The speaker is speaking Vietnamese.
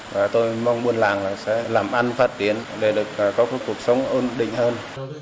và tôi mong buôn làng sẽ làm ăn phát triển để có cuộc sống ưu định hơn